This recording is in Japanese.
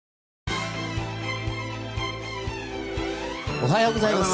おはようございます。